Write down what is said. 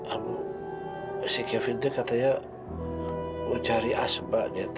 abang si kevin itu katanya mau cari asma lihat